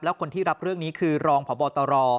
แล้วคนที่รับเรื่องนี้คือรองพบตร